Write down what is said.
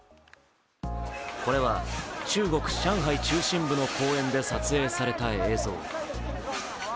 これは中国・上海中心部の公園で撮影された映像。